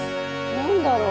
何だろう？